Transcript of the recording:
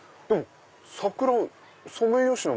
桜ソメイヨシノ